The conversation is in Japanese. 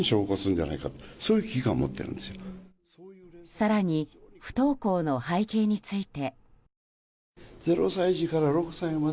更に、不登校の背景について。